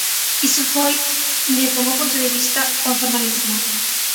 Iso foi, desde o meu punto de vista, o informalismo.